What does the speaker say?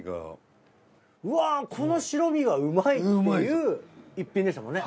うわこの白身がうまいっていう一品でしたもんね。